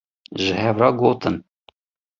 ji hev re gotin